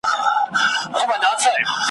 دا د کوم حیوان بچی درته ښکاریږي ,